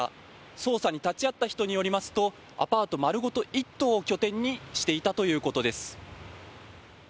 捜査に立ち会った人によりますとアパート丸ごと１棟を拠点にしていたということです。